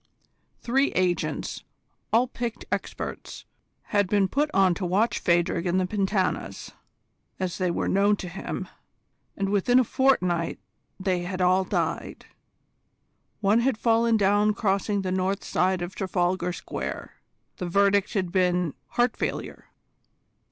Three agents, all picked experts, had been put on to watch Phadrig and the Pentanas, as they were known to him, and within a fortnight they had all died. One had fallen down crossing the north side of Trafalgar Square: the verdict had been heart failure.